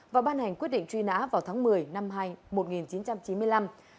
và ban hành quyết định truy nã vào tháng một mươi năm một nghìn chín trăm chín mươi năm